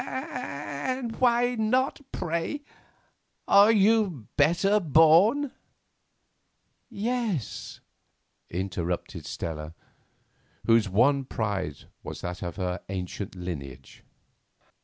"And why not, pray? Are you better born——" "Yes," interrupted Stella, whose one pride was that of her ancient lineage.